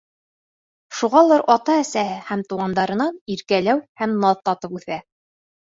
Шуғалыр ата-әсәһе һәм туғандарынан иркәләү һәм наҙ татып үҫә.